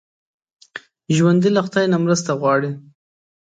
ژوندي له خدای نه مرسته غواړي